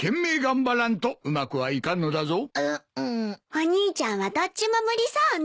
お兄ちゃんはどっちも無理そうね。